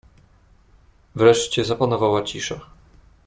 "Wreszcie zapanowała cisza."